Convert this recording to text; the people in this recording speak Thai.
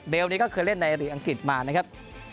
นี้ก็เคยเล่นในหลีกอังกฤษมานะครับ